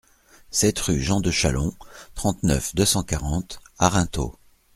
sept rue Jean de Chalon, trente-neuf, deux cent quarante, Arinthod